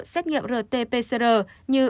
xét nghiệm rt pcr như